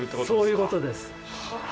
そういうことです。